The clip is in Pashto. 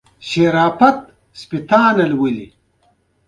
سعد ور وباله.